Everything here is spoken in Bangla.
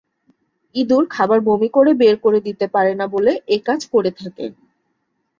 ইঁদুর খাবার বমি করে বের করে দিতে পারে না বলে এ কাজ করে থাকে।